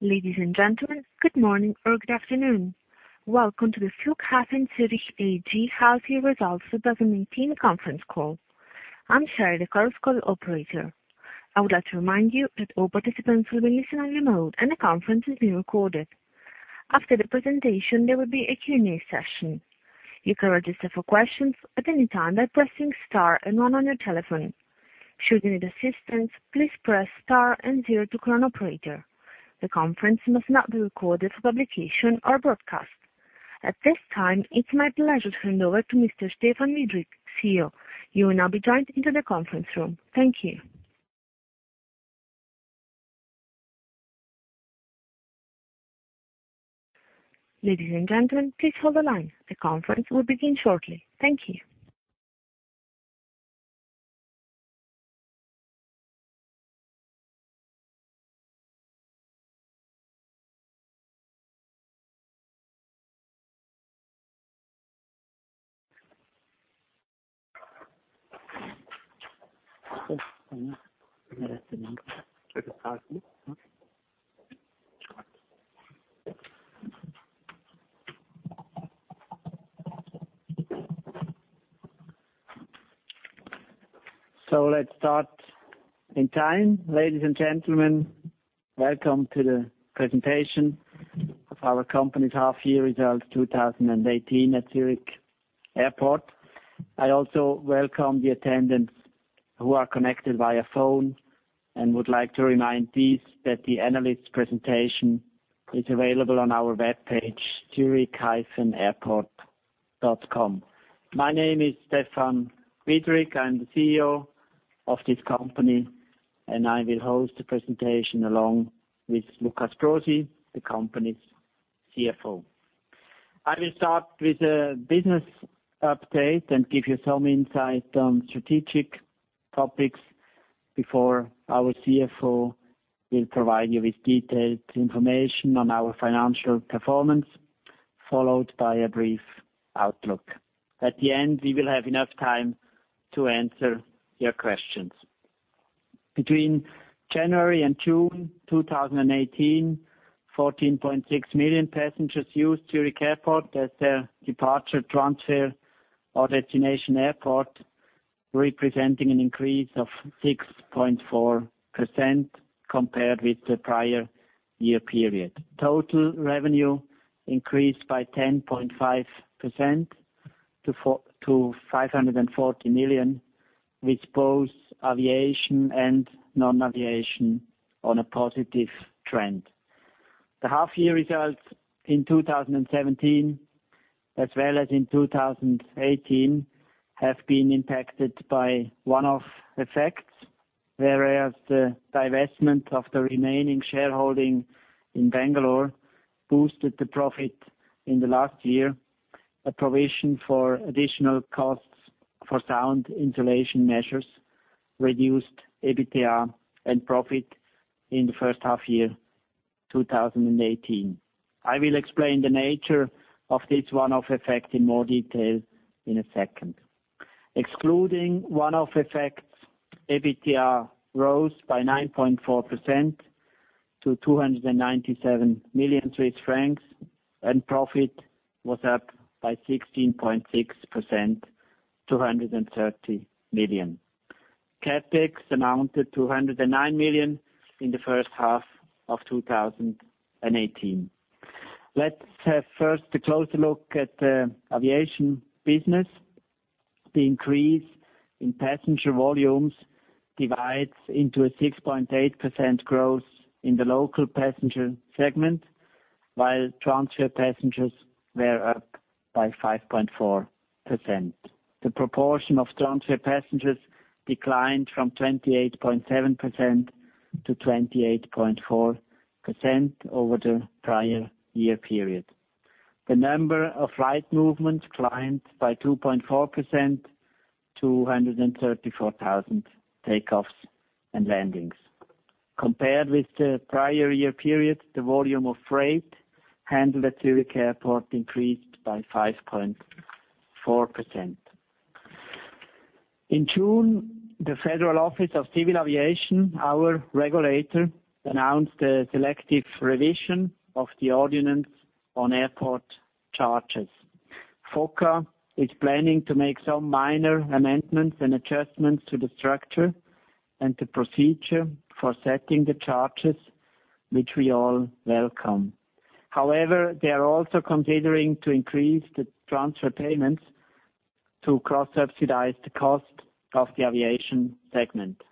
Ladies and gentlemen, good morning or good afternoon. Welcome to the Flughafen Zürich AG half year results 2018 conference call. I'm Sherry, the conference call operator. I would like to remind you that all participants will be listening on remote and the conference is being recorded. After the presentation, there will be a Q&A session. You can register for questions at any time by pressing star and one on your telephone. Should you need assistance, please press star and zero to join operator. The conference must not be recorded for publication or broadcast. At this time, it's my pleasure to hand over to Mr. Stephan Widrig, CEO. You will now be joined into the conference room. Thank you. Ladies and gentlemen, please hold the line. The conference will begin shortly. Thank you. Ladies and gentlemen, welcome to the presentation of our company's half year results, 2018 at Zurich Airport. I also welcome the attendants who are connected via phone and would like to remind these that the analyst presentation is available on our webpage, zurich-airport.com. My name is Stephan Widrig. I'm the CEO of this company, and I will host the presentation along with Lukas Brosi, the company's CFO. I will start with a business update and give you some insight on strategic topics before our CFO will provide you with detailed information on our financial performance, followed by a brief outlook. At the end, we will have enough time to answer your questions. Between January and June 2018, 14.6 million passengers used Zurich Airport as their departure, transfer, or destination airport, representing an increase of 6.4% compared with the prior year period. Total revenue increased by 10.5% to 540 million, with both aviation and non-aviation on a positive trend. The half year results in 2017 as well as in 2018 have been impacted by one-off effects, whereas the divestment of the remaining shareholding in Bangalore boosted the profit in the last year. A provision for additional costs for sound insulation measures reduced EBITDA and profit in the first half year 2018. I will explain the nature of this one-off effect in more detail in a second. Excluding one-off effects, EBITDA rose by 9.4% to 297 million Swiss francs, and profit was up by 16.6%, 230 million. CapEx amounted to 109 million in the first half of 2018. Let's have first a closer look at the aviation business. The increase in passenger volumes divides into a 6.8% growth in the local passenger segment, while transfer passengers were up by 5.4%. The proportion of transfer passengers declined from 28.7% to 28.4% over the prior year period. The number of flight movements climbed by 2.4%, 234,000 takeoffs and landings. Compared with the prior year period, the volume of freight handled at Zurich Airport increased by 5.4%. In June, the Federal Office of Civil Aviation, our regulator, announced a selective revision of the ordinance on airport charges. FOCA is planning to make some minor amendments and adjustments to the structure and the procedure for setting the charges, which we all welcome. However, they are also considering to increase the transfer payments to cross-subsidize the cost of the aviation segment.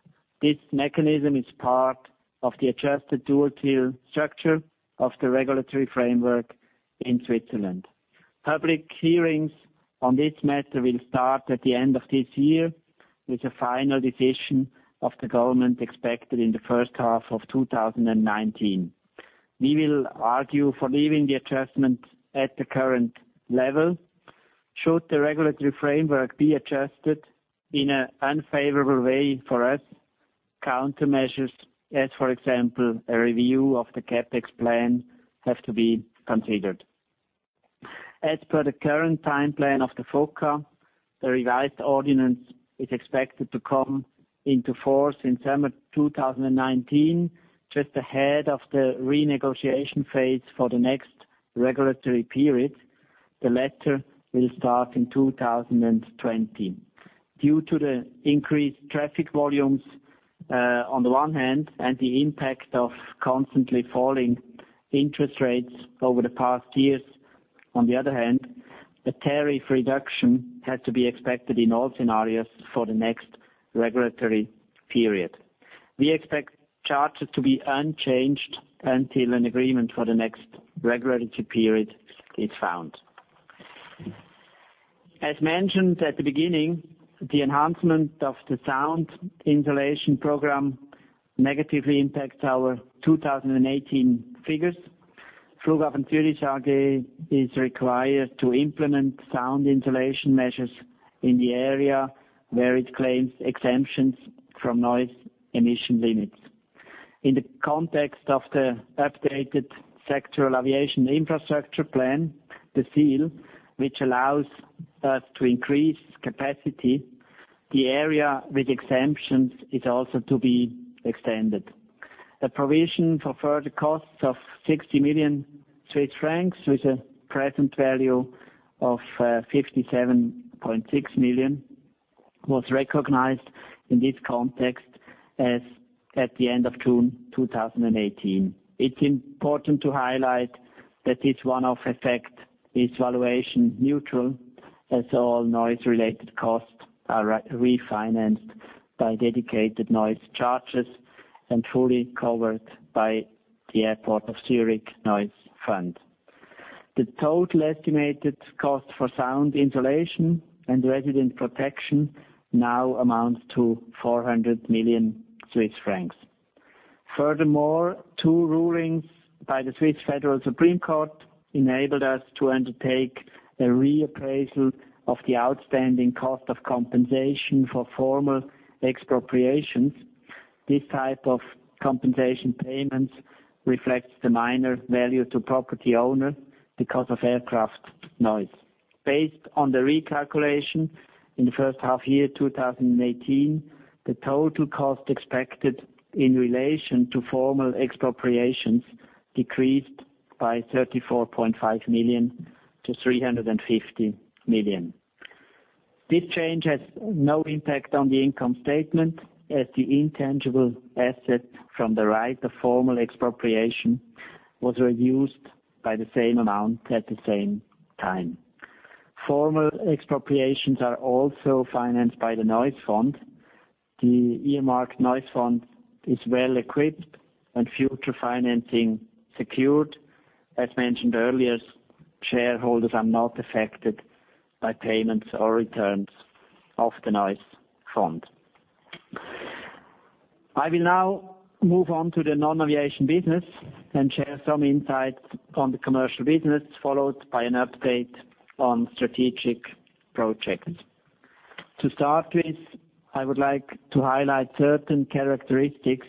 This mechanism is part of the adjusted dual-tier structure of the regulatory framework in Switzerland. Public hearings on this matter will start at the end of this year, with a final decision of the government expected in the first half of 2019. We will argue for leaving the adjustment at the current level. Should the regulatory framework be adjusted in an unfavorable way for us, countermeasures, as for example, a review of the CapEx plan have to be considered. As per the current timeline of the FOCA, the revised ordinance is expected to come into force in summer 2019, just ahead of the renegotiation phase for the next regulatory period. The latter will start in 2020. Due to the increased traffic volumes on the one hand and the impact of constantly falling interest rates over the past years on the other hand, the tariff reduction had to be expected in all scenarios for the next regulatory period. We expect charges to be unchanged until an agreement for the next regulatory period is found. As mentioned at the beginning, the enhancement of the sound insulation program negatively impacts our 2018 figures. Flughafen Zürich AG is required to implement sound insulation measures in the area where it claims exemptions from noise emission limits. In the context of the updated Sectoral Aviation Infrastructure Plan, the SAIP, which allows us to increase capacity, the area with exemptions is also to be extended. The provision for further costs of 60 million Swiss francs with a present value of 57.6 million was recognized in this context as at the end of June 2018. It's important to highlight that this one-off effect is valuation neutral, as all noise related costs are refinanced by dedicated noise charges and fully covered by the Airport of Zurich Noise Fund. The total estimated cost for sound insulation and resident protection now amounts to 400 million Swiss francs. Furthermore, two rulings by the Swiss Federal Supreme Court enabled us to undertake a reappraisal of the outstanding cost of compensation for formal expropriations. This type of compensation payment reflects the minor value to property owner because of aircraft noise. Based on the recalculation in the first half year 2018, the total cost expected in relation to formal expropriations decreased by 34.5 million to 350 million. This change has no impact on the income statement, as the intangible asset from the right of formal expropriation was reduced by the same amount at the same time. Formal expropriations are also financed by the noise fund. The earmarked noise fund is well-equipped and future financing secured. Shareholders are not affected by payments or returns of the noise fund. I will now move on to the non-aviation business and share some insights on the commercial business, followed by an update on strategic projects. To start with, I would like to highlight certain characteristics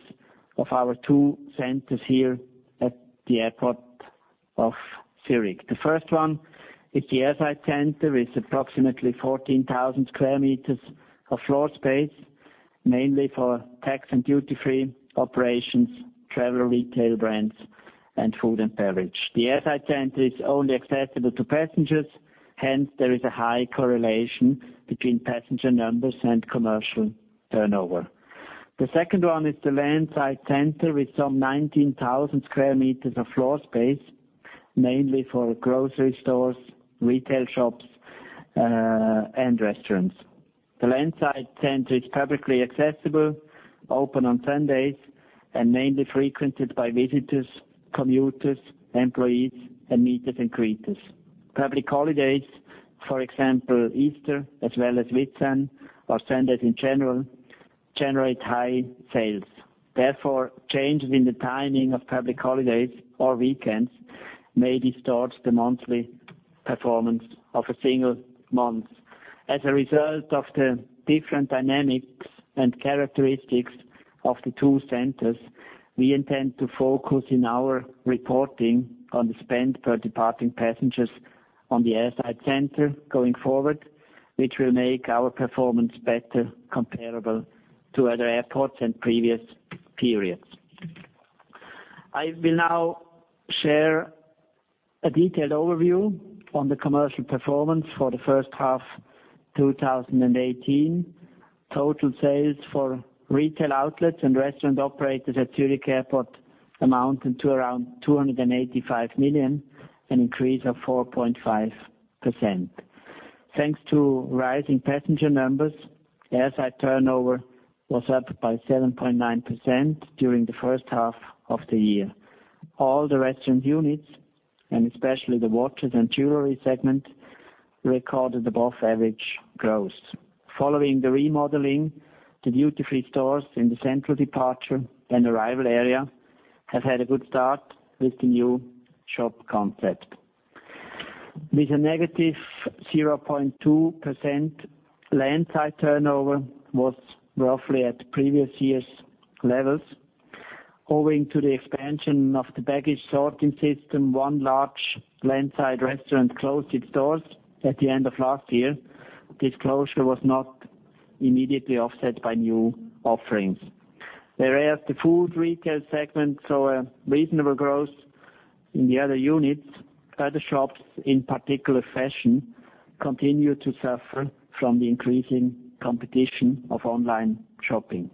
of our two centers here at the Airport of Zurich. The first one is the airside center. It's approximately 14,000 sq m of floor space, mainly for tax and duty-free operations, travel retail brands, and food and beverage. The airside center is only accessible to passengers, hence there is a high correlation between passenger numbers and commercial turnover. The second one is the landside center with some 19,000 sq m of floor space, mainly for grocery stores, retail shops, and restaurants. The landside center is publicly accessible, open on Sundays, and mainly frequented by visitors, commuters, employees, and meeters and greeters. Public holidays, for example, Easter as well as Whitsun or Sundays in general, generate high sales. Therefore, changes in the timing of public holidays or weekends may distort the monthly performance of a single month. As a result of the different dynamics and characteristics of the two centers, we intend to focus in our reporting on the spend per departing passengers on the airside center going forward, which will make our performance better comparable to other airports and previous periods. I will now share a detailed overview on the commercial performance for the first half 2018. Total sales for retail outlets and restaurant operators at Zürich Airport amounted to around 285 million, an increase of 4.5%. Thanks to rising passenger numbers, airside turnover was up by 7.9% during the first half of the year. All the restaurant units, and especially the watches and jewelry segment, recorded above average growth. Following the remodeling, the duty-free stores in the central departure and arrival area have had a good start with the new shop concept. With a negative 0.2%, landside turnover was roughly at previous years' levels. Owing to the expansion of the baggage sorting system, one large landside restaurant closed its doors at the end of last year. This closure was not immediately offset by new offerings. Whereas the food retail segment saw a reasonable growth in the other units, other shops, in particular fashion, continued to suffer from the increasing competition of online shopping.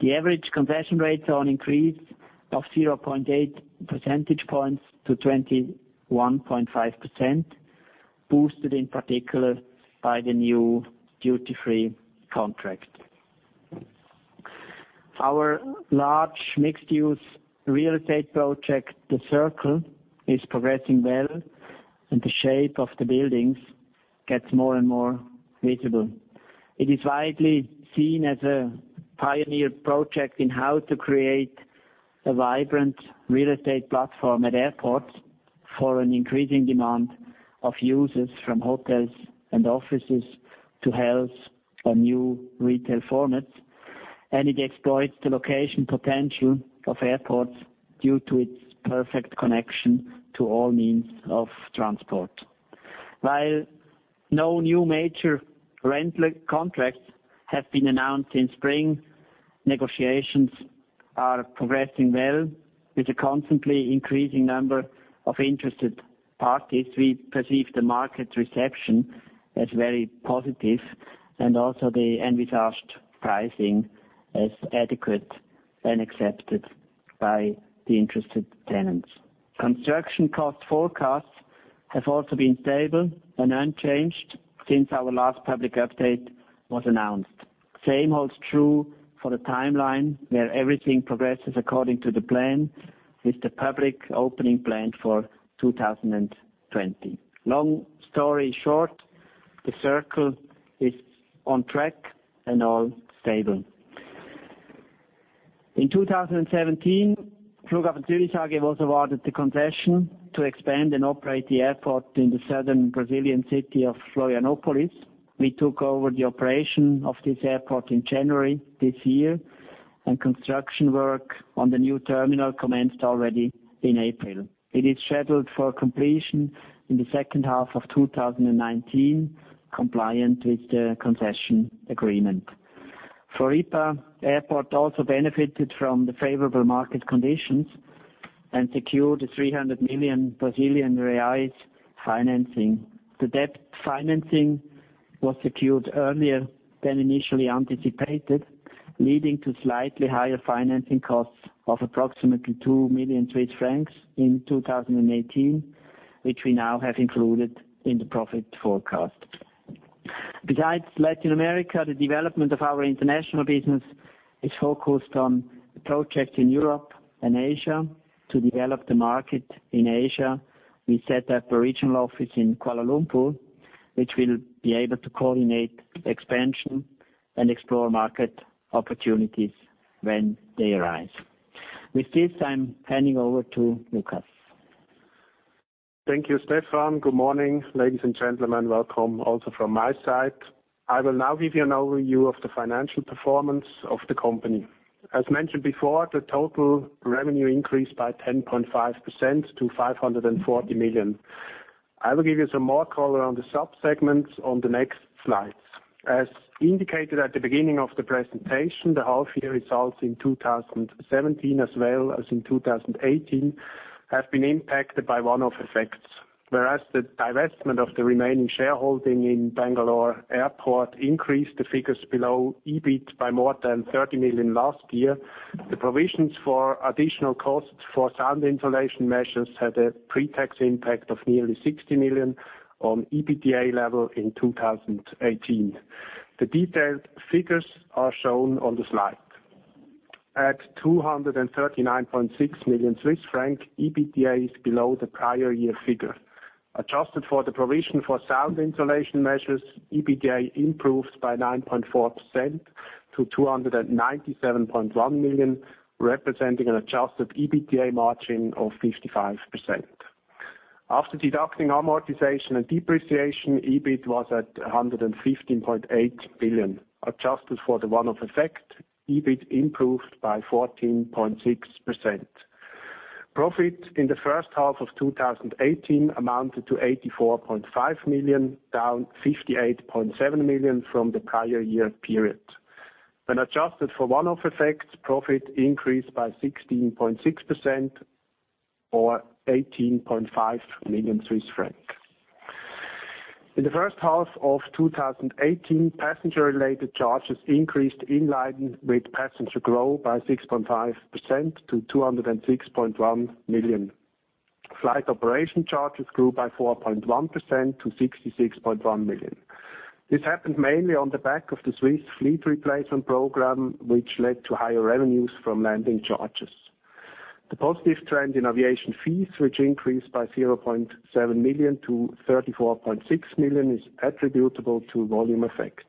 The average concession rates are on increase of 0.8 percentage points to 21.5%, boosted in particular by the new duty-free contract. Our large mixed-use real estate project, The Circle, is progressing well. The shape of the buildings gets more and more visible. It is widely seen as a pioneer project in how to create a vibrant real estate platform at airports for an increasing demand of users from hotels and offices to health or new retail formats. It exploits the location potential of airports due to its perfect connection to all means of transport. While no new major rental contracts have been announced since spring, negotiations are progressing well with a constantly increasing number of interested parties. We perceive the market reception as very positive and also the envisaged pricing as adequate and accepted by the interested tenants. Construction cost forecasts have also been stable and unchanged since our last public update was announced. Same holds true for the timeline, where everything progresses according to the plan, with the public opening planned for 2020. Long story short, The Circle is on track and all stable. In 2017, Flughafen Zürich AG was awarded the concession to expand and operate the airport in the southern Brazilian city of Florianópolis. We took over the operation of this airport in January this year. Construction work on the new terminal commenced already in April. It is scheduled for completion in the second half of 2019, compliant with the concession agreement. Floripa Airport also benefited from the favorable market conditions and secured a 300 million Brazilian reais financing. The debt financing was secured earlier than initially anticipated, leading to slightly higher financing costs of approximately 2 million Swiss francs in 2018, which we now have included in the profit forecast. Besides Latin America, the development of our international business is focused on projects in Europe and Asia. To develop the market in Asia, we set up a regional office in Kuala Lumpur, which will be able to coordinate expansion and explore market opportunities when they arise. With this, I'm handing over to Lukas. Thank you, Stephan. Good morning, ladies and gentlemen. Welcome also from my side. I will now give you an overview of the financial performance of the company. As mentioned before, the total revenue increased by 10.5% to 540 million. I will give you some more color on the subsegments on the next slides. As indicated at the beginning of the presentation, the half year results in 2017 as well as in 2018 have been impacted by one-off effects. Whereas the divestment of the remaining shareholding in Bengaluru Airport increased the figures below EBIT by more than 30 million last year, the provisions for additional costs for sound insulation measures had a pre-tax impact of nearly 60 million on EBITDA level in 2018. The detailed figures are shown on the slide. At 239.6 million Swiss franc, EBITDA is below the prior year figure. Adjusted for the provision for sound insulation measures, EBITDA improved by 9.4% to 297.1 million, representing an adjusted EBITDA margin of 55%. After deducting amortization and depreciation, EBIT was at 115.8 million. Adjusted for the one-off effect, EBIT improved by 14.6%. Profit in the first half of 2018 amounted to 84.5 million, down 58.7 million from the prior year period. When adjusted for one-off effects, profit increased by 16.6% or 18.5 million Swiss francs. In the first half of 2018, passenger-related charges increased in line with passenger growth by 6.5% to 206.1 million. Flight operation charges grew by 4.1% to 66.1 million. This happened mainly on the back of the Swiss fleet replacement program, which led to higher revenues from landing charges. The positive trend in aviation fees, which increased by 0.7 million to 34.6 million, is attributable to volume effects.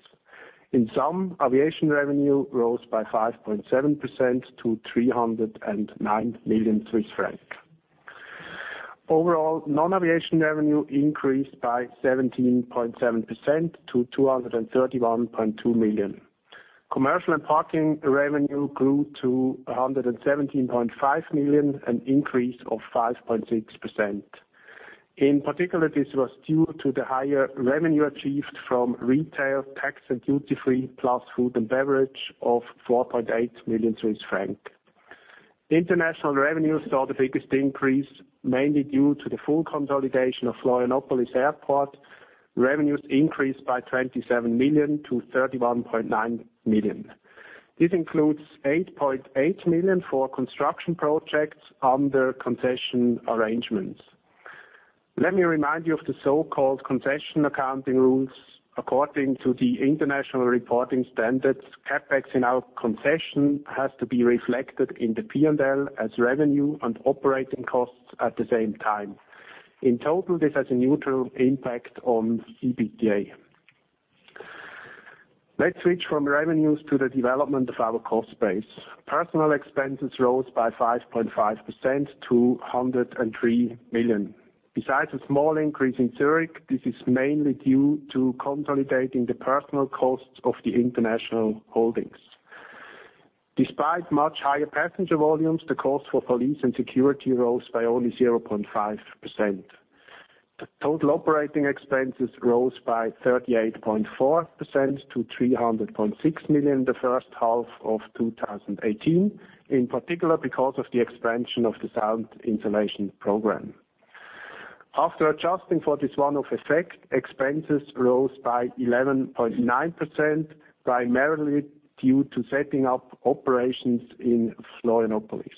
In sum, aviation revenue rose by 5.7% to 309 million Swiss francs. Overall, non-aviation revenue increased by 17.7% to 231.2 million. Commercial and parking revenue grew to 117.5 million, an increase of 5.6%. In particular, this was due to the higher revenue achieved from retail, tax and duty-free, plus food and beverage of 4.8 million Swiss francs. International revenue saw the biggest increase, mainly due to the full consolidation of Florianópolis Airport. Revenues increased by 27 million to 31.9 million. This includes 8.8 million for construction projects under concession arrangements. Let me remind you of the so-called concession accounting rules. According to the international reporting standards, CapEx in our concession has to be reflected in the P&L as revenue and operating costs at the same time. In total, this has a neutral impact on EBITDA. Let's switch from revenues to the development of our cost base. Personnel expenses rose by 5.5% to 103 million. Besides a small increase in Zurich, this is mainly due to consolidating the personal costs of the international holdings. Despite much higher passenger volumes, the cost for police and security rose by only 0.5%. The total operating expenses rose by 38.4% to 300.6 million in the first half of 2018, in particular because of the expansion of the sound insulation program. After adjusting for this one-off effect, expenses rose by 11.9%, primarily due to setting up operations in Florianópolis.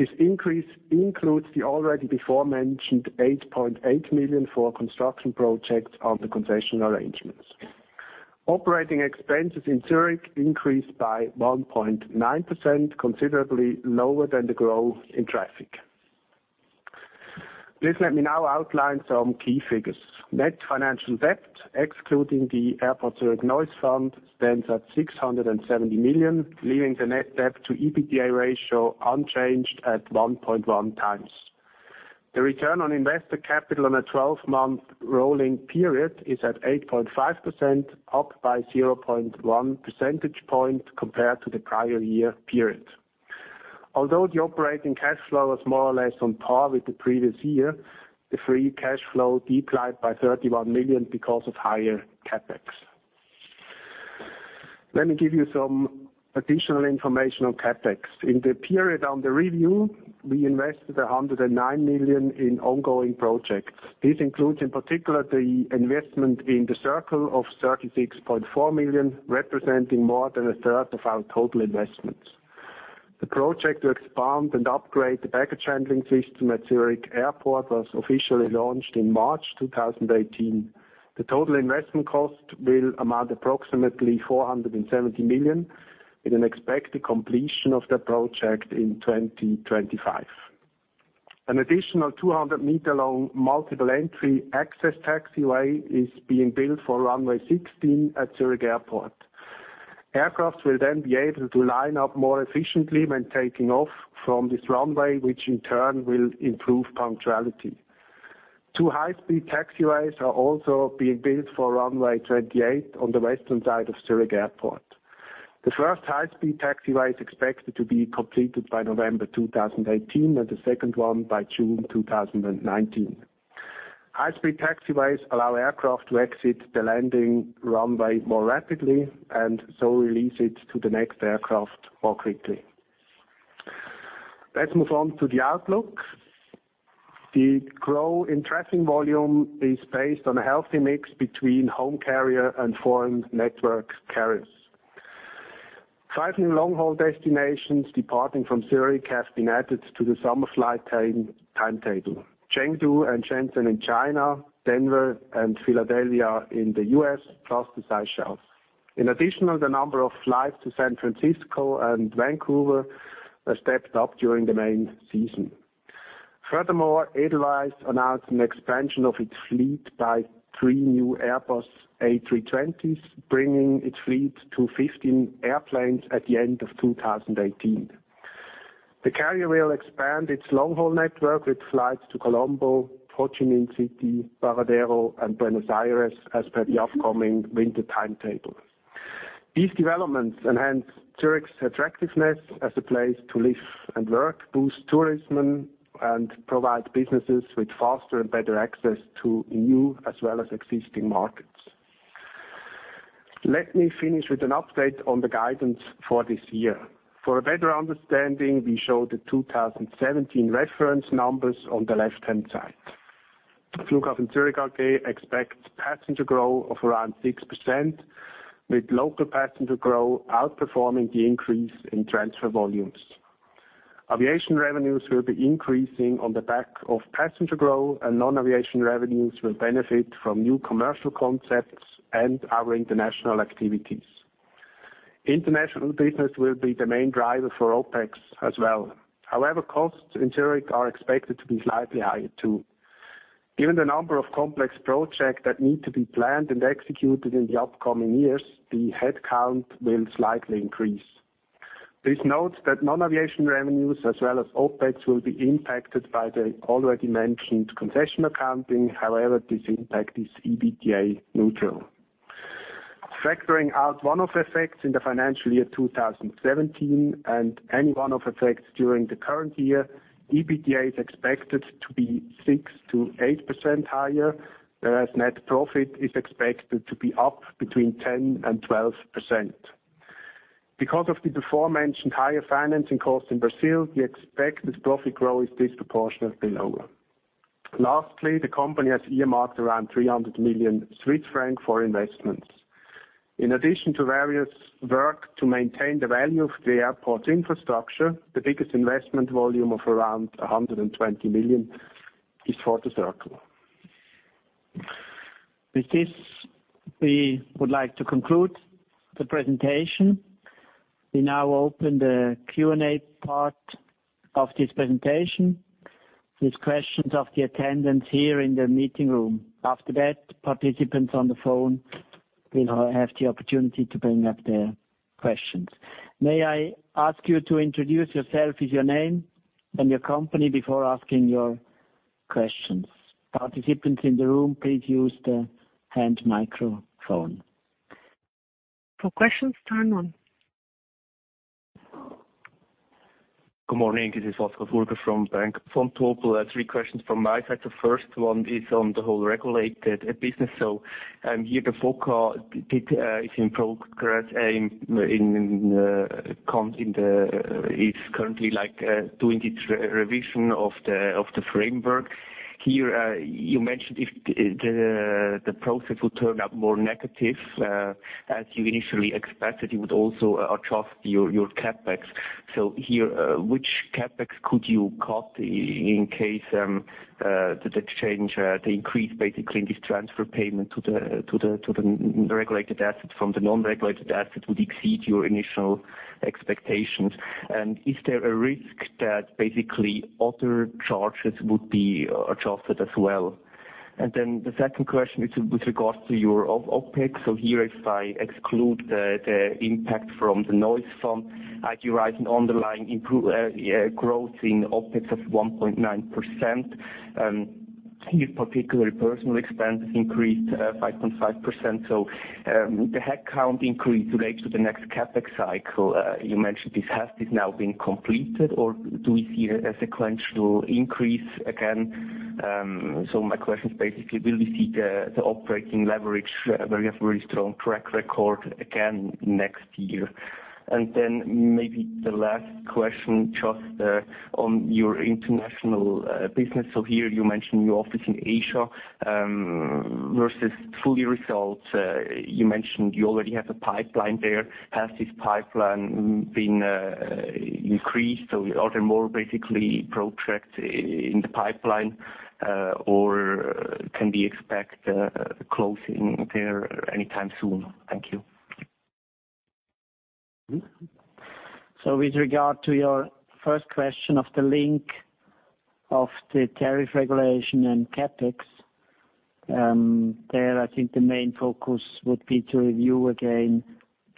This increase includes the already before-mentioned 8.8 million for construction projects under concession arrangements. Operating expenses in Zurich increased by 1.9%, considerably lower than the growth in traffic. Please let me now outline some key figures. Net financial debt, excluding the Airport Zurich Noise Fund, stands at 670 million, leaving the net debt to EBITDA ratio unchanged at 1.1 times. The return on investor capital on a 12-month rolling period is at 8.5%, up by 0.1 percentage point compared to the prior year period. Although the operating cash flow was more or less on par with the previous year, the free cash flow declined by 31 million because of higher CapEx. Let me give you some additional information on CapEx. In the period under review, we invested 109 million in ongoing projects. This includes, in particular, the investment in The Circle of 36.4 million, representing more than a third of our total investments. The project to expand and upgrade the baggage handling system at Zurich Airport was officially launched in March 2018. The total investment cost will amount approximately 470 million, with an expected completion of the project in 2025. An additional 200-meter long multiple entry access taxiway is being built for runway 16 at Zurich Airport. Aircraft will then be able to line up more efficiently when taking off from this runway, which in turn will improve punctuality. Two high-speed taxiways are also being built for runway 28 on the western side of Zurich Airport. The first high-speed taxiway is expected to be completed by November 2018 and the second one by June 2019. High-speed taxiways allow aircraft to exit the landing runway more rapidly and so release it to the next aircraft more quickly. Let's move on to the outlook. The growth in traffic volume is based on a healthy mix between home carrier and foreign network carriers. Five new long-haul destinations departing from Zurich have been added to the summer flight timetable. Chengdu and Shenzhen in China, Denver and Philadelphia in the U.S., plus the Seychelles. In addition, the number of flights to San Francisco and Vancouver are stepped up during the main season. Edelweiss announced an expansion of its fleet by three new Airbus A320s, bringing its fleet to 15 airplanes at the end of 2018. The carrier will expand its long-haul network with flights to Colombo, Ho Chi Minh City, Varadero, and Buenos Aires as per the upcoming winter timetable. These developments enhance Zurich's attractiveness as a place to live and work, boost tourism, and provide businesses with faster and better access to new as well as existing markets. Let me finish with an update on the guidance for this year. For a better understanding, we show the 2017 reference numbers on the left-hand side. Flughafen Zürich AG expects passenger growth of around 6%, with local passenger growth outperforming the increase in transfer volumes. Aviation revenues will be increasing on the back of passenger growth, and non-aviation revenues will benefit from new commercial concepts and our international activities. International business will be the main driver for OpEx as well. Costs in Zurich are expected to be slightly higher, too. Given the number of complex projects that need to be planned and executed in the upcoming years, the headcount will slightly increase. Please note that non-aviation revenues as well as OpEx will be impacted by the already mentioned concession accounting. This impact is EBITDA neutral. Factoring out one-off effects in the financial year 2017 and any one-off effects during the current year, EBITDA is expected to be 6%-8% higher, whereas net profit is expected to be up between 10% and 12%. Because of the before-mentioned higher financing costs in Brazil, we expect this profit growth is disproportionately lower. Lastly, the company has earmarked around 300 million Swiss francs for investments. In addition to various work to maintain the value of the airport's infrastructure, the biggest investment volume of around 120 million is for The Circle. With this, we would like to conclude the presentation. We now open the Q&A part of this presentation with questions of the attendants here in the meeting room. After that, participants on the phone will have the opportunity to bring up their questions. May I ask you to introduce yourself with your name and your company before asking your questions. Participants in the room, please use the hand microphone. For questions, turn one. Good morning. This is Wolfgang Burger from Bank Vontobel. I have three questions from my side. The first one is on the whole regulated business. Here the FOCA is in progress and is currently doing the revision of the framework. Here, you mentioned if the process would turn out more negative, as you initially expected, you would also adjust your CapEx. Here, which CapEx could you cut in case the exchange, the increase, basically, in this transfer payment to the regulated asset from the non-regulated asset would exceed your initial expectations? Is there a risk that basically other charges would be adjusted as well? The second question is with regards to your OpEx. Here, if I exclude the impact from the noise from IQ rising underlying growth in OpEx of 1.9%. Here, particularly personal expenses increased 5.5%. Would the headcount increase relate to the next CapEx cycle? You mentioned this. Has this now been completed, or do we see a sequential increase again? My question is basically, will we see the operating leverage, where we have very strong track record again next year? Maybe the last question just on your international business. Here you mentioned your office in Asia, versus full year results. You mentioned you already have a pipeline there. Has this pipeline been increased? Are there more basically projects in the pipeline, or can we expect closing there anytime soon? Thank you. With regard to your first question of the link of the tariff regulation and CapEx, there I think the main focus would be to review again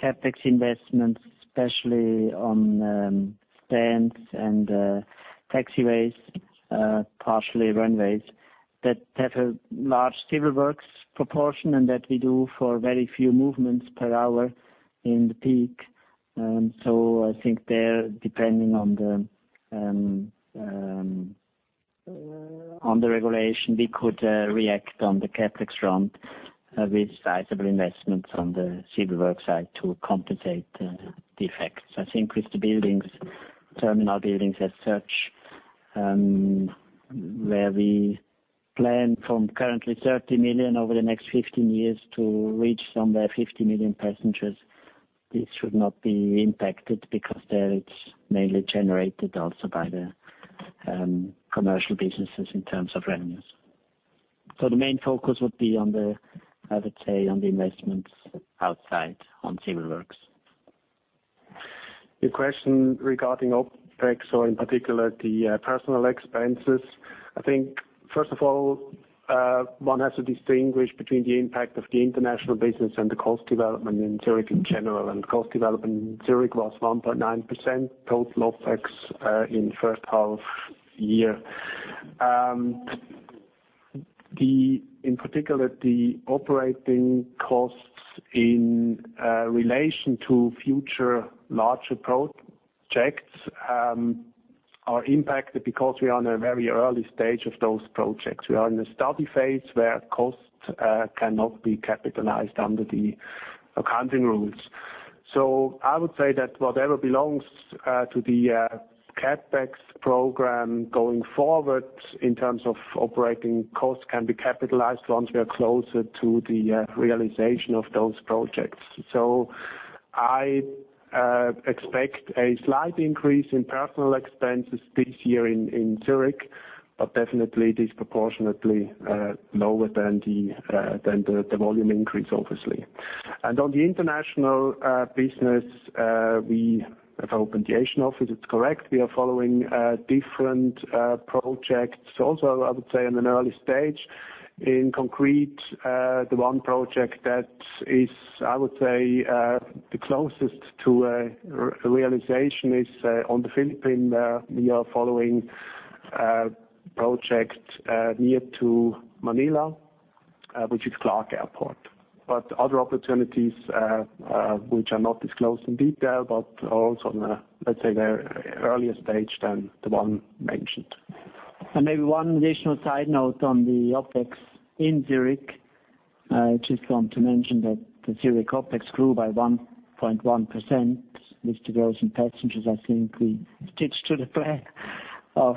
CapEx investments, especially on stands and taxiways, partially runways, that have a large civil works proportion and that we do for very few movements per hour in the peak. I think there, depending on the regulation, we could react on the CapEx front with sizable investments on the civil works side to compensate the effects. I think with the terminal buildings as such, where we plan from currently 30 million over the next 15 years to reach somewhere 50 million passengers, this should not be impacted because there it's mainly generated also by the commercial businesses in terms of revenues. The main focus would be on the, I would say, on the investments outside on civil works. Your question regarding OpEx or in particular the personal expenses. I think, first of all, one has to distinguish between the impact of the international business and the cost development in Zurich in general. Cost development in Zurich was 1.9% total OpEx in first half year. In particular, the operating costs in relation to future larger projects are impacted because we are in a very early stage of those projects. We are in a study phase where costs cannot be capitalized under the accounting rules. I would say that whatever belongs to the CapEx program going forward in terms of operating costs can be capitalized once we are closer to the realization of those projects. I expect a slight increase in personal expenses this year in Zurich, but definitely disproportionately lower than the volume increase, obviously. On the international business, we have opened the Asian office, it is correct. We are following different projects also, I would say, in an early stage. In concrete, the one project that is, I would say, the closest to realization is on the Philippines. We are following a project near to Manila, which is Clark Airport. Other opportunities, which are not disclosed in detail, but are also in, let's say, the earlier stage than the one mentioned. Maybe one additional side note on the OpEx in Zurich. I just want to mention that the Zurich OpEx grew by 1.1%, with the growth in passengers. I think we did to the plan of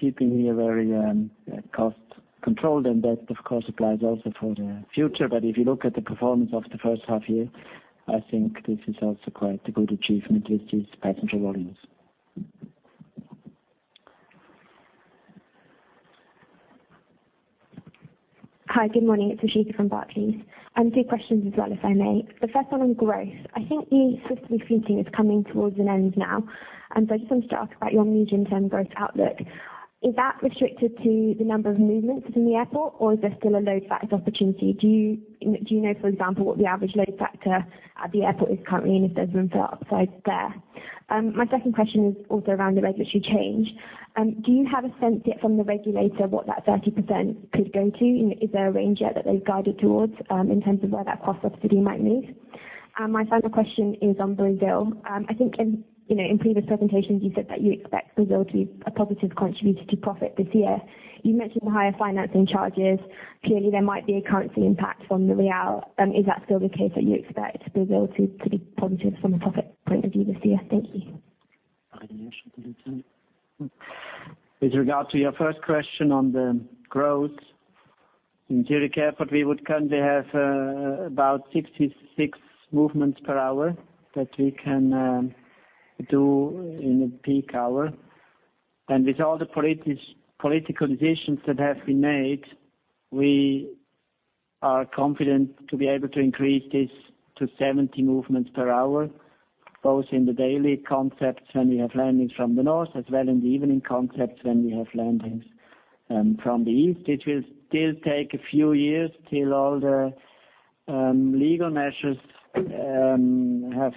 keeping a very cost control. That of course applies also for the future. If you look at the performance of the first half-year, I think this is also quite a good achievement with these passenger volumes. Hi, good morning. It is Ashika from Barclays. Two questions as well, if I may. The first one on growth. I think the slot restriction is coming towards an end now. So I just wanted to ask about your medium-term growth outlook. Is that restricted to the number of movements in the airport, or is there still a load factor opportunity? Do you know, for example, what the average load factor at the airport is currently, and if there's room for upside there? My second question is also around the regulatory change. Do you have a sense from the regulator what that 30% could go to? Is there a range yet that they've guided towards in terms of where that cost subsidy might move? My final question is on Brazil. I think in previous presentations you said that you expect Brazil to be a positive contributor to profit this year. You mentioned the higher financing charges. Clearly, there might be a currency impact from the real. Is that still the case that you expect Brazil to be positive from a profit point of view this year? Thank you. With regard to your first question on the growth. In Zurich Airport, we would currently have about 66 movements per hour that we can do in a peak hour. With all the political decisions that have been made, we are confident to be able to increase this to 70 movements per hour, both in the daily concepts when we have landings from the north, as well in the evening concepts when we have landings from the east. It will still take a few years till all the legal measures have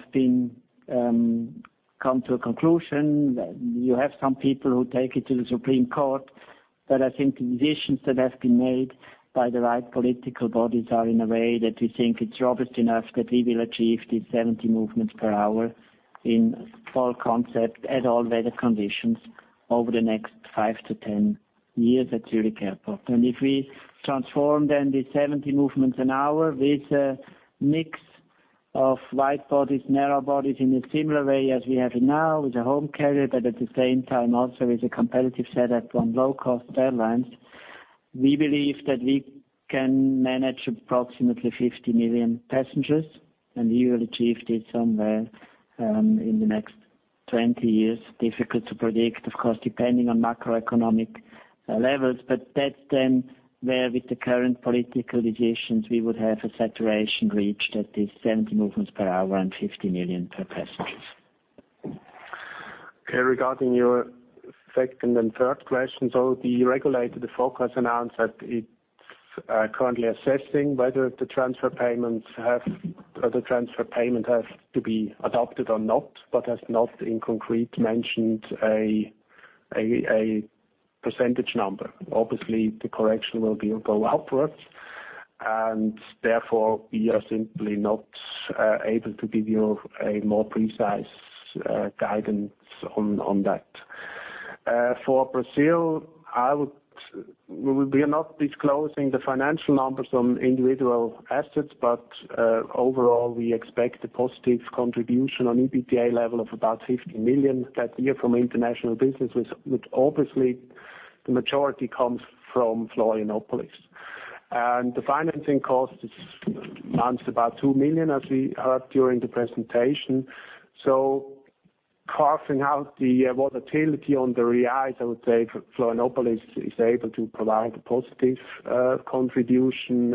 come to a conclusion. You have some people who take it to the Supreme Court, but I think the decisions that have been made by the right political bodies are in a way that we think it's robust enough that we will achieve these 70 movements per hour in full concept at all weather conditions over the next 5 to 10 years at Zurich Airport. If we transform then the 70 movements an hour with a mix of wide bodies, narrow bodies in a similar way as we have it now with a home carrier, but at the same time also with a competitive set-up from low-cost airlines. We believe that we can manage approximately 50 million passengers, and we will achieve this somewhere in the next 20 years. Difficult to predict, of course, depending on macroeconomic levels, that's then where with the current political decisions, we would have a saturation reached at these 70 movements per hour and 50 million passengers. Okay, regarding your second and third question. The regulator, the FOCA announced that it's currently assessing whether the transfer payment has to be adopted or not, has not in concrete mentioned a percentage number. Obviously, the correction will go upwards, therefore we are simply not able to give you a more precise guidance on that. For Brazil, we are not disclosing the financial numbers on individual assets, but overall, we expect a positive contribution on EBITDA level of about 50 million that year from international business, which obviously the majority comes from Florianópolis. The financing cost is announced about 2 million, as we heard during the presentation. Carving out the volatility on the reais, I would say Florianópolis is able to provide a positive contribution,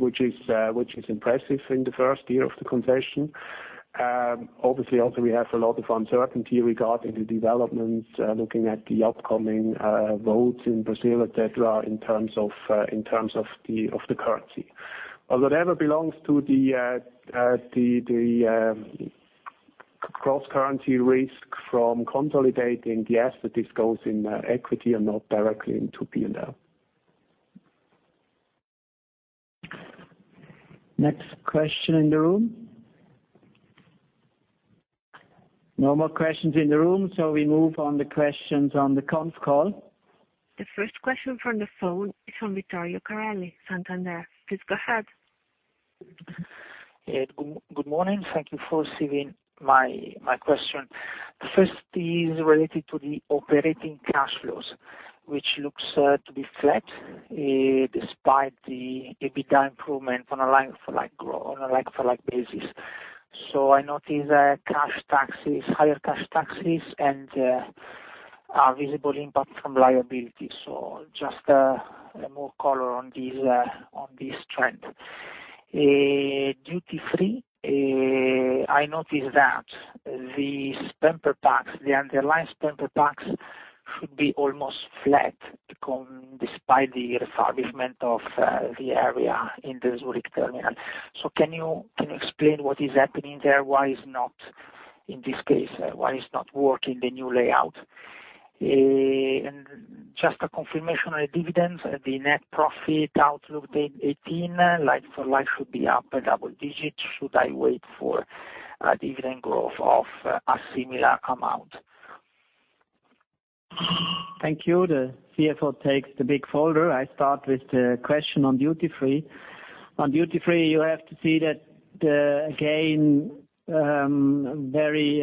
which is impressive in the first year of the concession. Obviously, we have a lot of uncertainty regarding the developments, looking at the upcoming votes in Brazil, et cetera, in terms of the currency. Whatever belongs to the cross-currency risk from consolidating the asset, this goes in equity and not directly into P&L. Next question in the room. No more questions in the room, we move on the questions on the conf call. The first question from the phone is from Vittorio Corelli, Santander. Please go ahead. Yeah, good morning. Thank you for receiving my question. First is related to the operating cash flows, which looks to be flat despite the EBITDA improvement on a like-for-like basis. I notice higher cash taxes and a visible impact from liability. Just more color on this trend. Duty free. I noticed that the underlying spend per pax should be almost flat despite the refurbishment of the area in the Zurich terminal. Can you explain what is happening there? Why is not, in this case, working the new layout? Just a confirmation on the dividends, the net profit outlook 2018, like for like should be up a double-digit. Should I wait for a dividend growth of a similar amount? Thank you. The CFO takes the big folder. I start with the question on duty free. On duty free, you have to see that the, again, very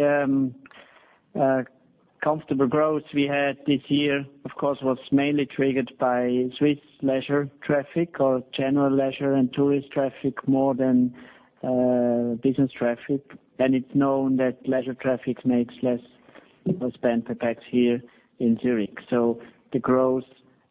comfortable growth we had this year, of course, was mainly triggered by Swiss leisure traffic or general leisure and tourist traffic more than business traffic. It's known that leisure traffic makes less spend per pax here in Zurich. The growth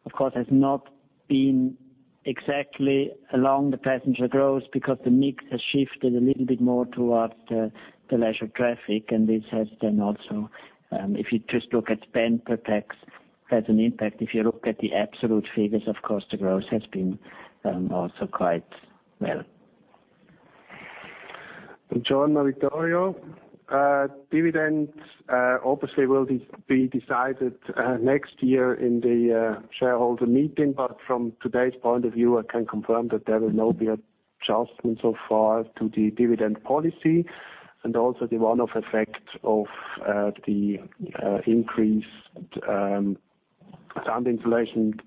of course has not been exactly along the passenger growth because the mix has shifted a little bit more towards the leisure traffic and this has then also, if you just look at spend per pax, has an impact. If you look at the absolute figures, of course, the growth has been also quite well. Buon giorno, Vittorio. Dividends obviously will be decided next year in the shareholder meeting, but from today's point of view, I can confirm that there will not be adjustment so far to the dividend policy and also the one-off effect of the increased sound insulation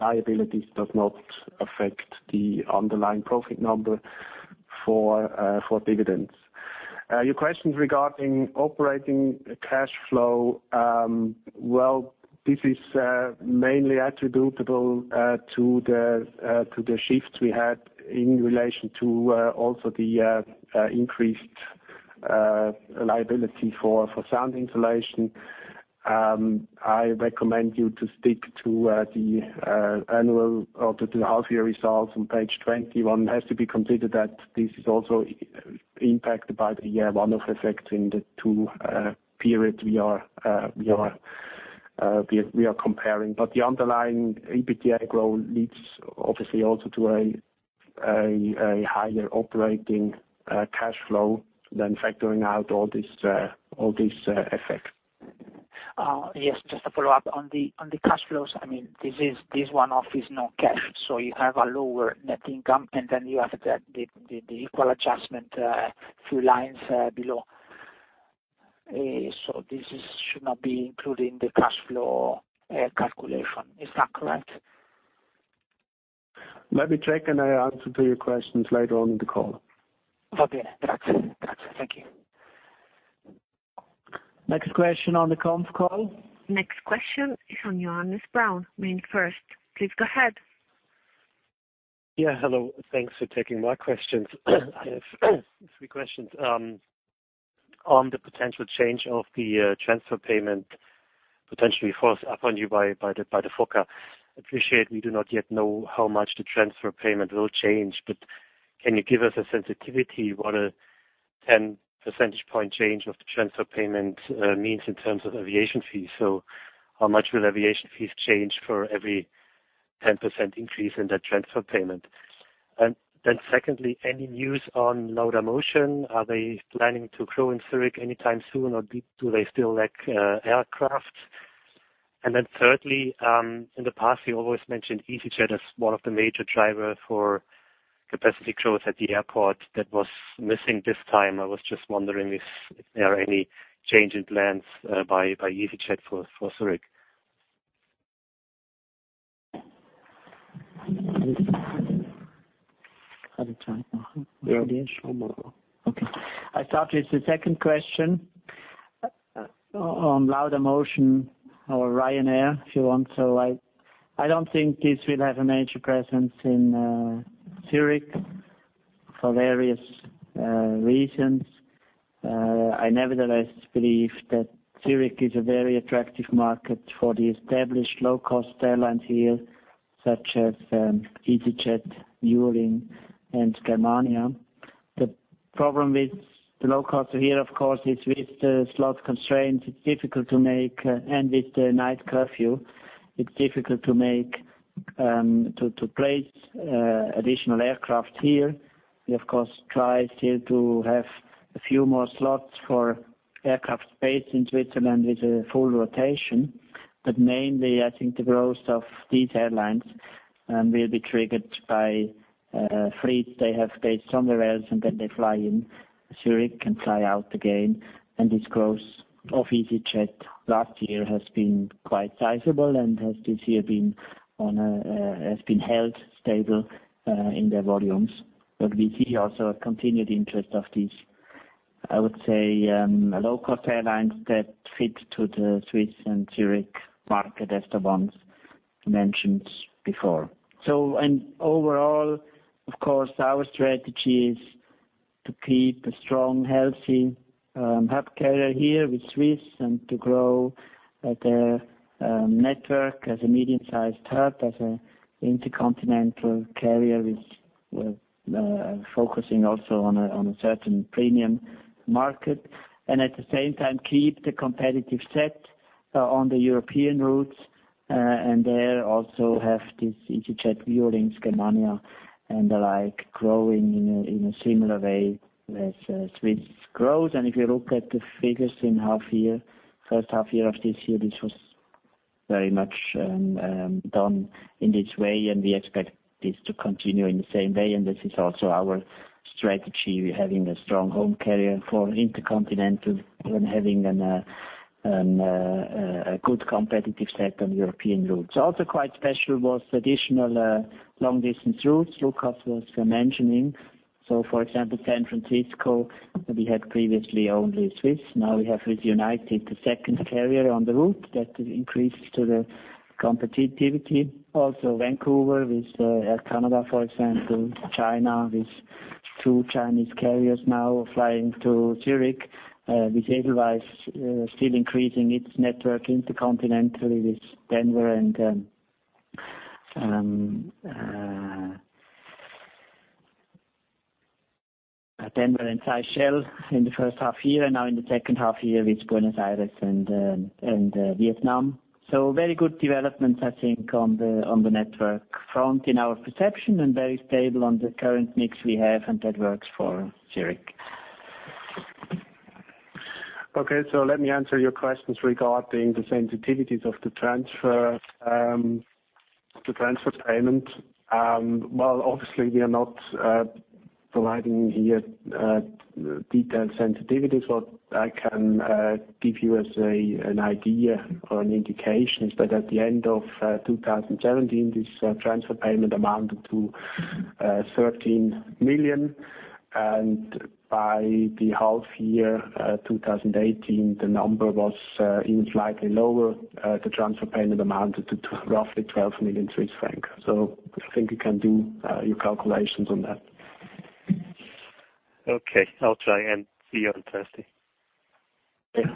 liabilities does not affect the underlying profit number for dividends. Your questions regarding operating cash flow. Well, this is mainly attributable to the shifts we had in relation to also the increased liability for sound insulation. I recommend you to stick to the annual or to the half year results on page 21. It has to be completed that this is also impacted by the one-off effect in the two periods we are comparing. The underlying EBITDA growth leads obviously also to a higher operating cash flow than factoring out all these effects. Yes, just to follow up on the cash flows. I mean, this one-off is not cash, so you have a lower net income, and then you have the equal adjustment a few lines below. This should not be included in the cash flow calculation. Is that correct? Let me check, and I answer to your questions later on in the call. Okay. Grazie. Thank you. Next question on the conf call. Next question is on Johannes Braun, MainFirst. Please go ahead. Yeah, hello. Thanks for taking my questions. I have three questions. On the potential change of the transfer payment potentially forced upon you by the FOCA. Appreciate we do not yet know how much the transfer payment will change, but can you give us a sensitivity what a 10 percentage point change of the transfer payment means in terms of aviation fees? How much will aviation fees change for every 10% increase in that transfer payment? Secondly, any news on Laudamotion? Are they planning to grow in Zurich anytime soon, or do they still lack aircraft? Thirdly, in the past you always mentioned easyJet as one of the major driver for capacity growth at the airport that was missing this time. I was just wondering if there are any change in plans by easyJet for Zurich. I start with the second question. On Laudamotion or Ryanair, if you want. I don't think this will have a major presence in Zürich for various reasons. I nevertheless believe that Zürich is a very attractive market for the established low-cost airlines here such as easyJet, Vueling and Germania. The problem with the low cost here, of course, is with the slot constraint and with the night curfew, it's difficult to place additional aircraft here. We of course try still to have a few more slots for aircraft based in Switzerland with a full rotation. Mainly I think the growth of these airlines will be triggered by fleets they have based somewhere else and then they fly in Zürich and fly out again. This growth of easyJet last year has been quite sizable and has this year been held stable in their volumes. We see also a continued interest of these, I would say, low cost airlines that fit to the Swiss and Zürich market as the ones mentioned before. Overall, of course our strategy is to keep a strong, healthy hub carrier here with Swiss and to grow their network as a medium-sized hub, as an intercontinental carrier with focusing also on a certain premium market. At the same time keep the competitive set on the European routes, and there also have this easyJet, Eurowings, Germania, and the like growing in a similar way as Swiss grows. If you look at the figures in first half-year of this year, this was very much done in this way, and we expect this to continue in the same way. This is also our strategy, having a strong home carrier for intercontinental and having a good competitive set on European routes. Also quite special was additional long-distance routes, Lukas was mentioning. For example, San Francisco, we had previously only Swiss. Now we have with United the second carrier on the route that increased to the competitivity. Also Vancouver with Air Canada, for example, China with two Chinese carriers now flying to Zürich, with Edelweiss still increasing its network intercontinentally with Denver and Seychelles in the first half-year, and now in the second half-year with Buenos Aires and Vietnam. Very good developments, I think, on the network front in our perception and very stable on the current mix we have, and that works for Zürich. Let me answer your questions regarding the sensitivities of the transfer payment. Well, obviously, we are not providing here detailed sensitivities, what I can give you as an idea or an indication is that at the end of 2017, this transfer payment amounted to 13 million, and by the half-year 2018, the number was even slightly lower. The transfer payment amounted to roughly 12 million Swiss francs. I think you can do your calculations on that. Okay. I'll try and see on Thursday. Yeah.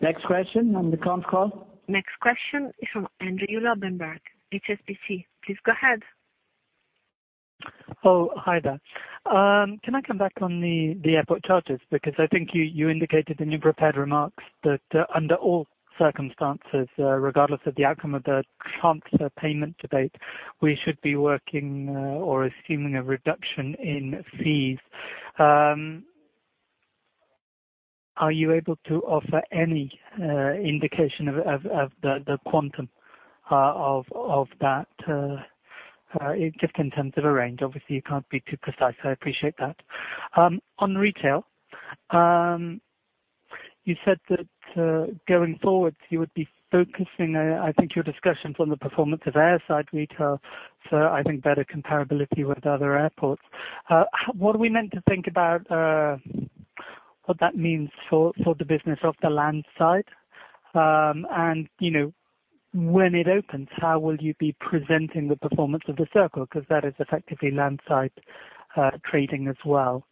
Next question on the conf call. Next question is from Andrew Lobbenberg, HSBC. Please go ahead. Oh, hi there. Can I come back on the airport charges? I think you indicated in your prepared remarks that under all circumstances, regardless of the outcome of the transfer payment debate, we should be working or assuming a reduction in fees. Are you able to offer any indication of the quantum of that just in terms of a range? Obviously, you can't be too precise, I appreciate that. On retail, you said that going forward, you would be focusing, I think your discussions on the performance of airside retail, so I think better comparability with other airports. What are we meant to think about what that means for the business of the landside? When it opens, how will you be presenting the performance of The Circle? Because that is effectively landside trading as well.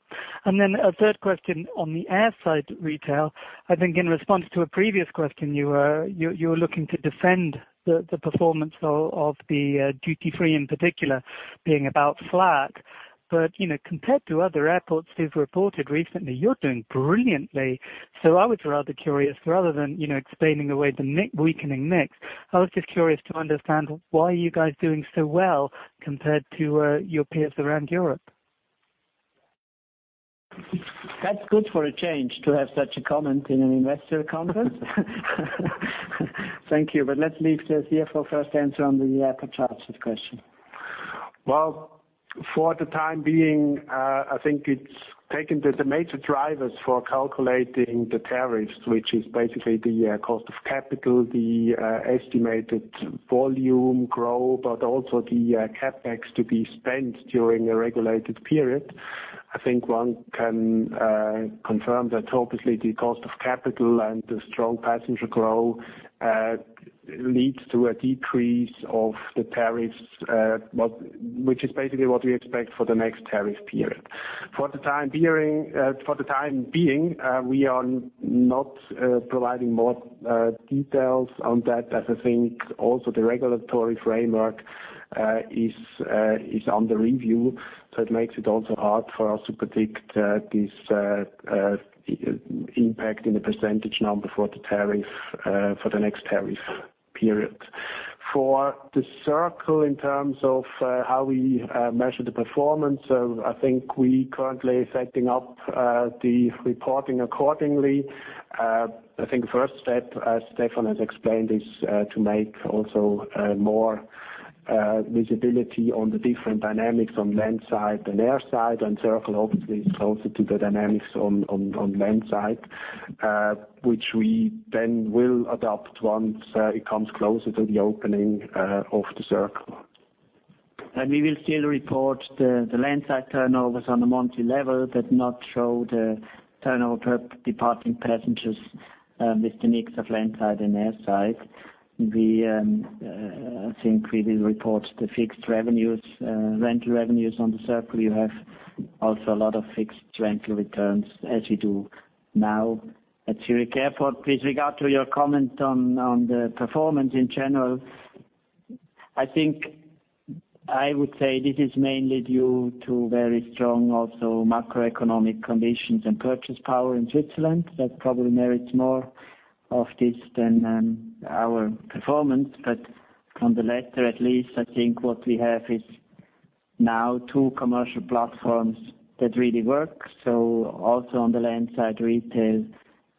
A third question on the airside retail, I think in response to a previous question, you were looking to defend the performance of the duty-free in particular being about flat. Compared to other airports who've reported recently, you're doing brilliantly. I was rather curious, rather than explaining away the weakening mix, I was just curious to understand why you guys doing so well compared to your peers around Europe. That's good for a change to have such a comment in an investor conference. Thank you. Let's leave the CFO first answer on the airport charges question. Well, for the time being, I think it's taken the major drivers for calculating the tariffs, which is basically the cost of capital, the estimated volume growth, but also the CapEx to be spent during a regulated period. I think one can confirm that obviously the cost of capital and the strong passenger growth leads to a decrease of the tariffs, which is basically what we expect for the next tariff period. For the time being, we are not providing more details on that as I think also the regulatory framework is under review. It makes it also hard for us to predict this impact in a percentage number for the next tariff period. For The Circle in terms of how we measure the performance, I think we currently setting up the reporting accordingly. I think first step, as Stephan has explained, is to make also more visibility on the different dynamics on landside and airside, and The Circle obviously is closer to the dynamics on landside, which we then will adopt once it comes closer to the opening of The Circle. We will still report the landside turnovers on a monthly level, but not show the turnover per departing passengers. With the mix of landside and airside, we will report the fixed revenues, rental revenues on The Circle. You have also a lot of fixed rental returns, as you do now at Zurich Airport. With regard to your comment on the performance in general, I would say this is mainly due to very strong macroeconomic conditions and purchase power in Switzerland. That probably merits more of this than our performance, but on the latter at least, what we have is now two commercial platforms that really work. Also on the landside retail,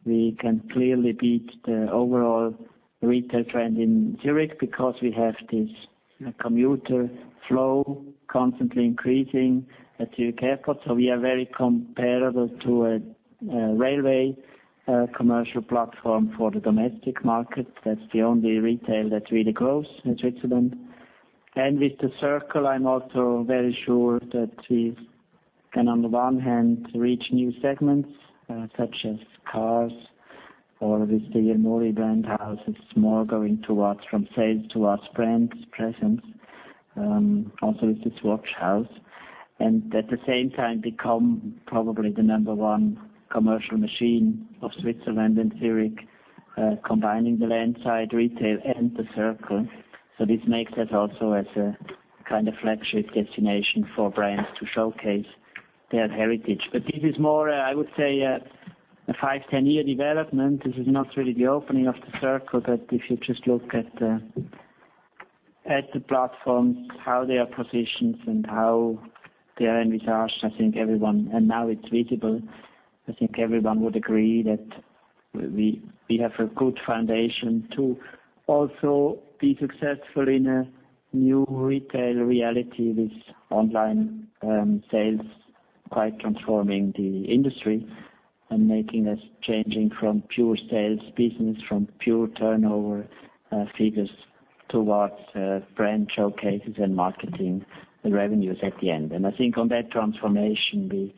we can clearly beat the overall retail trend in Zurich because we have this commuter flow constantly increasing at Zurich Airport. We are very comparable to a railway commercial platform for the domestic market. That's the only retail that really grows in Switzerland. With The Circle, I'm also very sure that we can, on the one hand, reach new segments such as cars or with the Iori brand house, it's more going from sales towards brand presence. Also with this watch house. At the same time become probably the number one commercial machine of Switzerland and Zurich, combining the landside retail and The Circle. This makes us also as a kind of flagship destination for brands to showcase their heritage. But this is more, I would say, a 5, 10-year development. This is not really the opening of The Circle, if you just look at the platforms, how they are positioned, and how they are envisaged, and now it's visible, everyone would agree that we have a good foundation to also be successful in a new retail reality with online sales quite transforming the industry and making us changing from pure sales business, from pure turnover figures towards brand showcases and marketing revenues at the end. On that transformation,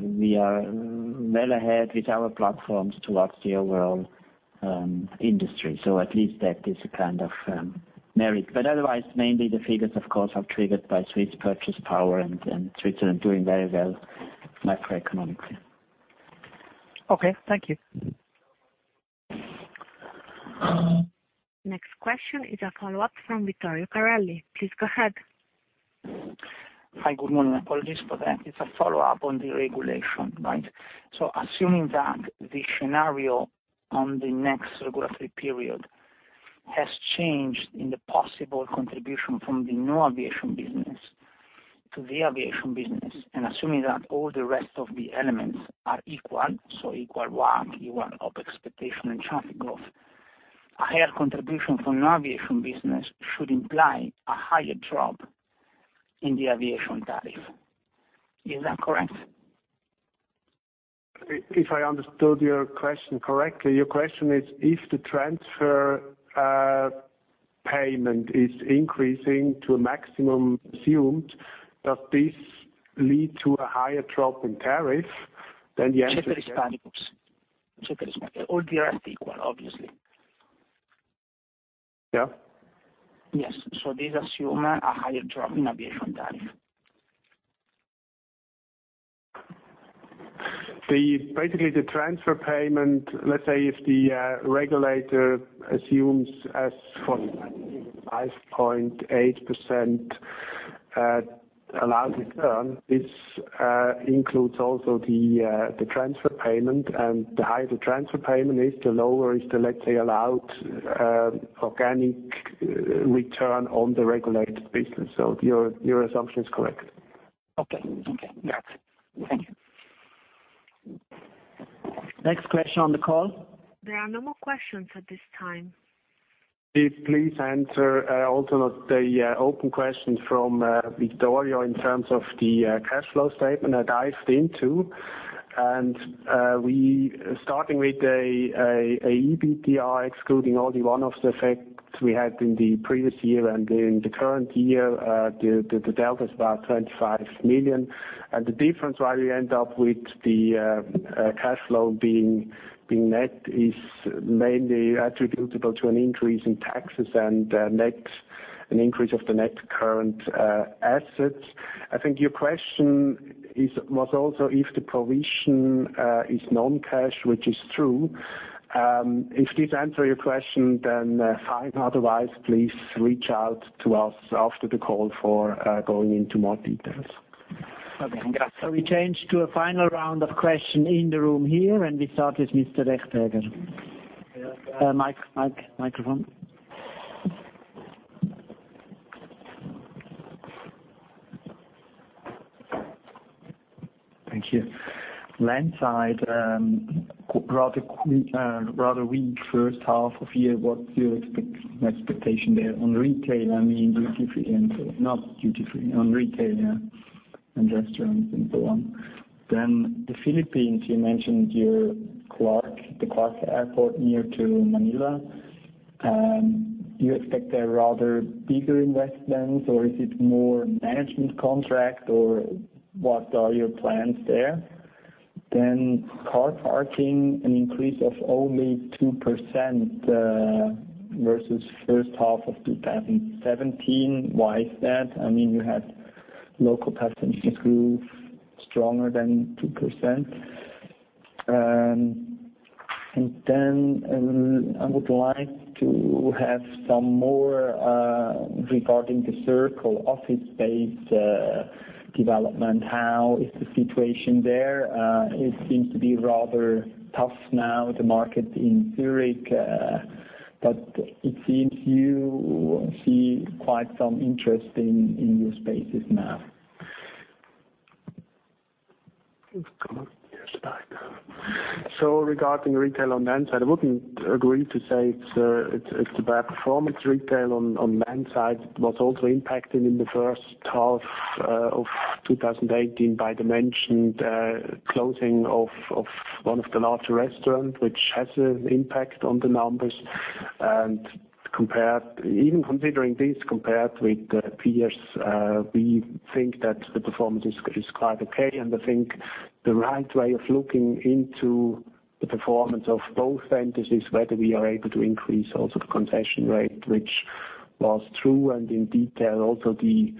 we are well ahead with our platforms towards the overall industry. At least that is a kind of merit. Otherwise, mainly the figures, of course, are triggered by Swiss purchase power and Switzerland doing very well macroeconomically. Okay. Thank you. Next question is a follow-up from Vittorio Corelli. Please go ahead. Hi, good morning. Apologies for that. It's a follow-up on the regulation, right? Assuming that the scenario on the next regulatory period has changed in the possible contribution from the non-aviation business to the aviation business, assuming that all the rest of the elements are equal WACC, equal OP expectation and traffic growth, a higher contribution from non-aviation business should imply a higher drop in the aviation tariff. Is that correct? If I understood your question correctly, your question is if the transfer payment is increasing to a maximum assumed that this lead to a higher drop in tariff. Ceteris paribus. All the rest equal, obviously. Yeah. Yes. This assume a higher drop in aviation tariff. Basically, the transfer payment, let's say if the regulator assumes as for 5.8% allowed return, this includes also the transfer payment, and the higher the transfer payment is, the lower is the, let's say, allowed organic return on the regulated business. Your assumption is correct. Okay. Thank you. Next question on the call? There are no more questions at this time. Please answer also the open questions from Vittorio in terms of the cash flow statement I dived into. Starting with an EBITDA excluding all the one-off effects we had in the previous year and in the current year, the delta is about 25 million. The difference why we end up with the cash flow being net is mainly attributable to an increase in taxes and an increase of the net current assets. I think your question was also if the provision is non-cash, which is true. If this answer your question, then fine. Otherwise, please reach out to us after the call for going into more details. Okay. Thank you. We change to a final round of question in the room here, and we start with Mr. Rechberger. Mic, microphone. Thank you. Landside, rather weak first half of year. What's your expectation there on retail? I mean, duty free and not duty free, on retail and restaurants and so on. The Philippines, you mentioned the Clark Airport near to Manila. Do you expect a rather bigger investment or is it more management contract or what are your plans there? Car parking, an increase of only 2% versus first half of 2017. Why is that? I mean, you had local passengers grow stronger than 2%. I would like to have some more regarding The Circle office space development. How is the situation there? It seems to be rather tough now, the market in Zurich. It seems you see quite some interest in your spaces now. Regarding retail on landside, I wouldn't agree to say it's a bad performance. Retail on landside was also impacted in the first half of 2018 by the mentioned closing of one of the larger restaurants, which has an impact on the numbers. Even considering this, compared with peers, we think that the performance is quite okay, and I think the right way of looking into the performance of both centers is whether we are able to increase also the concession rate, which was true, and in detail, also the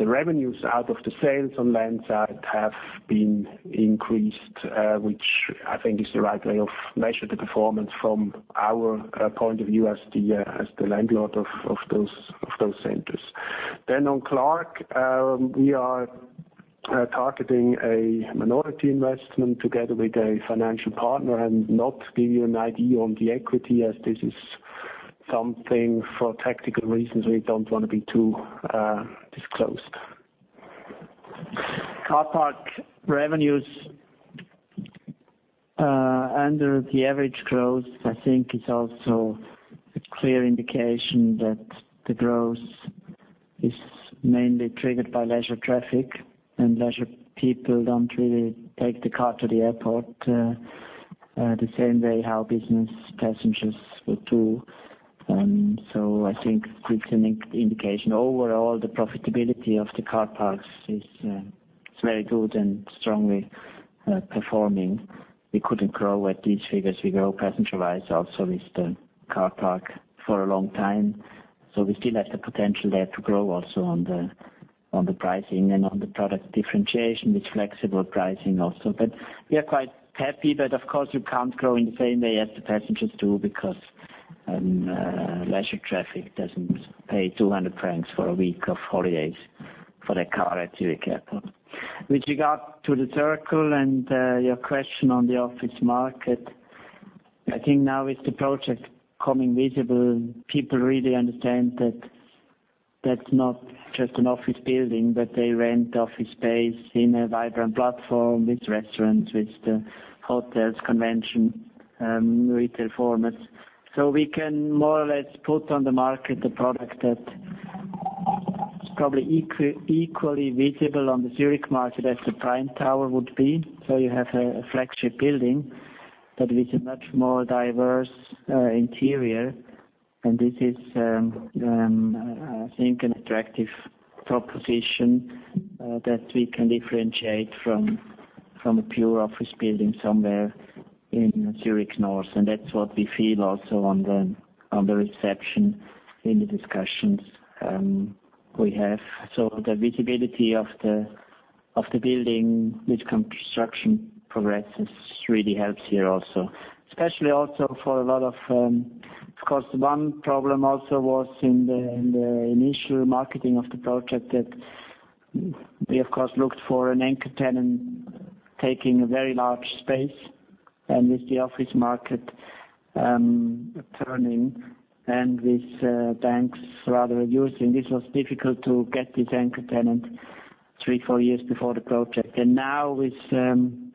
revenues out of the sales on landside have been increased, which I think is the right way of measuring the performance from our point of view as the landlord of those centers. On Clark, we are targeting a minority investment together with a financial partner and not give you an idea on the equity as this is something for tactical reasons we don't want to be too disclosed. Car park revenues under the average growth, I think is also a clear indication that the growth is mainly triggered by leisure traffic, Leisure people don't really take the car to the airport the same way how business passengers would do. I think it's an indication. Overall, the profitability of the car parks is very good and strongly performing. We couldn't grow at these figures. We grow passenger-wise also with the car park for a long time. We still have the potential there to grow also on the pricing and on the product differentiation with flexible pricing also. We are quite happy. Of course, we can't grow in the same way as the passengers do because leisure traffic doesn't pay 200 francs for a week of holidays for their car at Zurich Airport. With regard to The Circle and your question on the office market, I think now with the project becoming visible, people really understand that that's not just an office building, but they rent office space in a vibrant platform with restaurants, with the hotels, convention, retail formats. We can more or less put on the market a product that is probably equally visible on the Zurich market as the Prime Tower would be. You have a flagship building, but with a much more diverse interior. This is I think an attractive proposition that we can differentiate from a pure office building somewhere in Zurich North. That's what we feel also on the reception in the discussions we have. The visibility of the building with construction progress really helps here also. Of course, one problem also was in the initial marketing of the project that we, of course, looked for an anchor tenant taking a very large space, With the office market turning and with banks rather reducing, this was difficult to get this anchor tenant three, four years before the project. Now with one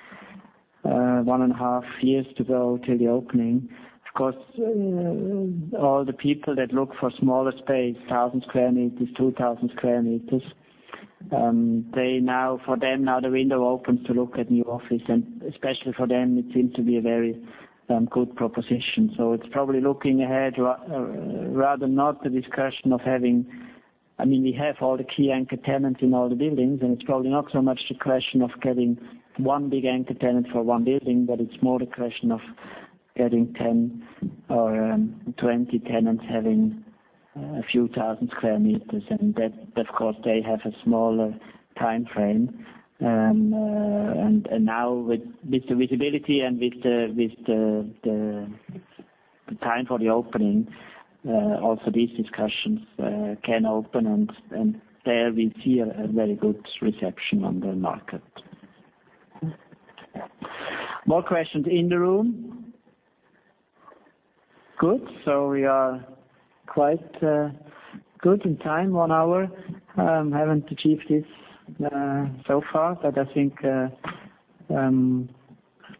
and a half years to go till the opening, of course, all the people that look for smaller space, 1,000 sq m, 2,000 sq m, for them now the window opens to look at new office, Especially for them, it seems to be a very good proposition. It's probably looking ahead, rather not the discussion of having I mean, we have all the key anchor tenants in all the buildings, It's probably not so much the question of getting one big anchor tenant for one building, but it's more the question of getting 10 or 20 tenants having a few thousand sq m. Of course, they have a smaller timeframe. Now with the visibility and with the time for the opening, also these discussions can open, There we see a very good reception on the market. More questions in the room? Good. We are quite good in time, one hour. Haven't achieved this so far, but I think.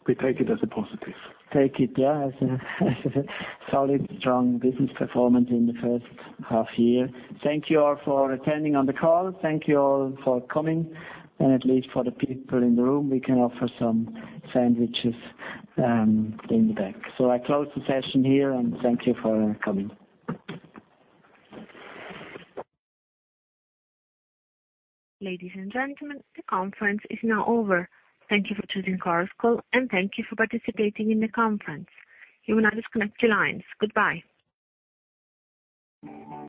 We take it as a positive. Take it, yeah, as a solid, strong business performance in the first half year. Thank you all for attending on the call. Thank you all for coming. At least for the people in the room, we can offer some sandwiches in the back. I close the session here, and thank you for coming. Ladies and gentlemen, the conference is now over. Thank you for choosing Chorus Call, and thank you for participating in the conference. You may now disconnect your lines. Goodbye.